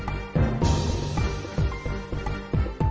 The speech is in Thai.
นั่นยังสุภาพรุ่งตา